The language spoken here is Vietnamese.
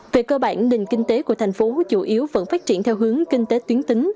về cơ bản nền kinh tế của thành phố chủ yếu vẫn phát triển theo hướng kinh tế tuyến tính